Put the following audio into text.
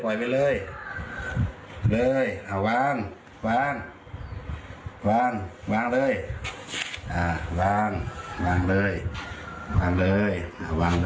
อีกทีหนึ่ง